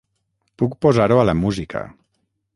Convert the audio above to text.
Puc posar-ho a la música.